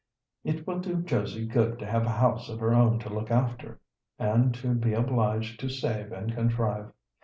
It will do Josie good to have a house of her own to look after, and to be obliged to save and contrive.